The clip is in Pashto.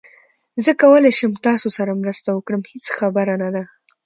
زه کولای شم تاسو سره مرسته وکړم، هیڅ خبره نه ده